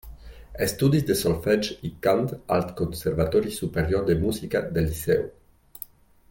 Estudis de solfeig i cant al Conservatori Superior de Música del Liceu.